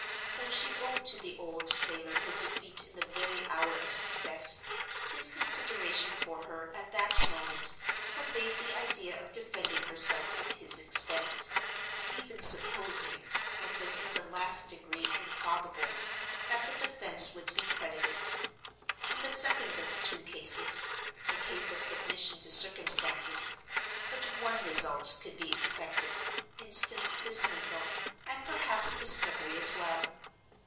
Though she owed to the old sailor her defeat in the very hour of success, his consideration for her at that moment forbade the idea of defending herself at his expense—even supposing, what was in the last degree improbable, that the defense would be credited. In the second of the two cases (the case of submission to circumstances), but one result could be expected—instant dismissal, and perhaps discovery as well.